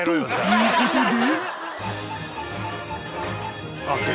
［ということで］